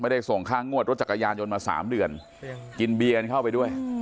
ได้ส่งค่างวดรถจักรยานยนต์มา๓เดือนกินเบียร์กันเข้าไปด้วย